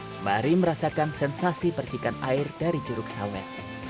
semari merasakan sensasi percikan air dari curug sawar